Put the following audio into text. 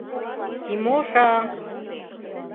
— Тимоша?!